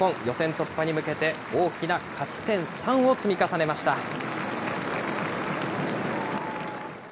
予選突破に向けて、大きな勝ち点３を積み重ねました。